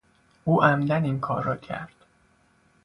او عمدا این کار را کرد.